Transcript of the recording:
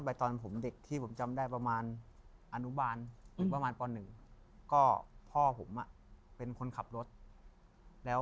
ตอนผมเด็กที่ผมจำได้ประมาณอนุบาลถึงประมาณป๑ก็พ่อผมเป็นคนขับรถแล้ว